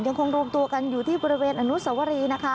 ยังคงรวมตัวกันอยู่ที่บริเวณอนุสวรีนะคะ